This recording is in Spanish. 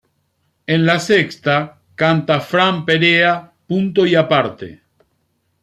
En la sexta, canta Fran Perea "Punto y aparte".